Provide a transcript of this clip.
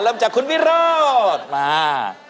เริ่มจากคุณพิมฤตมา